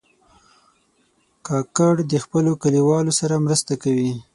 کاکړ د خپلو کلیوالو سره مرسته کوي.